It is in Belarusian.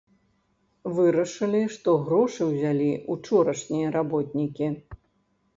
Вырашылі, што грошы ўзялі ўчорашнія работнікі.